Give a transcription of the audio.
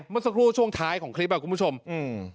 เมื่อสักครู่ช่วงท้ายของคลิปอ่ะคุณผู้ชมอืม